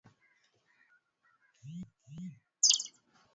Desturi moja ambayo imebadilika ni harusi